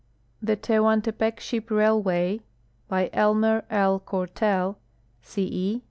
THE TEHUANTEPEC SHIP RAILWAY By Elmer L. Corthell, C. E.